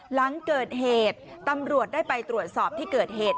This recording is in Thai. หลังเกิดเหตุตำรวจได้ไปตรวจสอบที่เกิดเหตุ